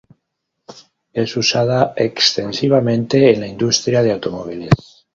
Es usada extensivamente en la industria de automóviles.